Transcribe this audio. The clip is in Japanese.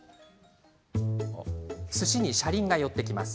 すしに車輪が寄ってきます。